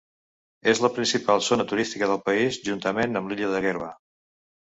És la principal zona turística del país juntament amb l'illa de Gerba.